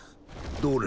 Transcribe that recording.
どれ。